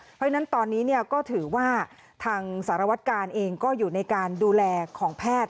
เพราะฉะนั้นตอนนี้ก็ถือว่าทางสารวัตกาลเองก็อยู่ในการดูแลของแพทย์